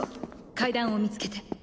階段を見つけて。